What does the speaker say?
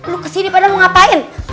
lu kesini padahal mau ngapain